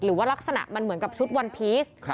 หรือว่ารักษณะเหมือนกับชุดวอนพีซ